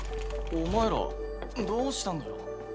お前らどうしたんだよ？